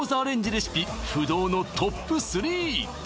レシピ不動のトップ３！